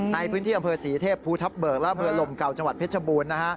ในพื้นที่อำเภอศรีเทพภูทับเบิกและอำเภอลมเก่าจังหวัดเพชรบูรณ์